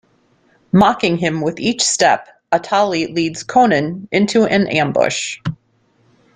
Mocking him with each step, Atali leads Conan into an ambush.